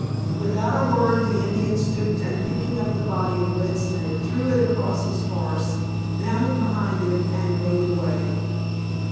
Without a word the Indian stooped and picking up the body of Red Snake threw it across his horse, mounted behind it, and rode away.